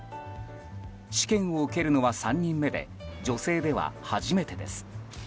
試験を受けるのは３人目で女性では初めてです。